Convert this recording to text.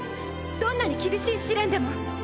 どんなに厳しい試練でも。